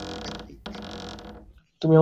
তুমি আমার কারণে তোমার একটি প্রিয় গ্রন্থ ছিড়েছ।